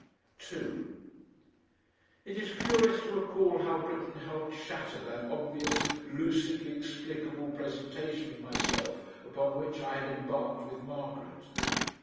2 It is curious to recall how Britten helped shatter that obvious, lucidly explicable presentation of myself upon which I had embarked with Margaret.